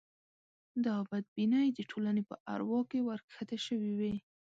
دا بدبینۍ د ټولنې په اروا کې ورکښته شوې وې.